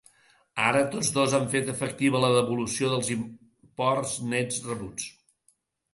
Ara, tots dos han fet efectiva la devolució dels imports nets rebuts.